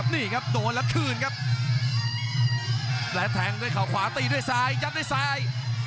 นี่ครับโดนแล้วคืนครับและแทงด้วยเขาขวาตีด้วยซ้ายยัดด้วยซ้าย